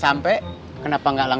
kalung tijdinya pengen di tantang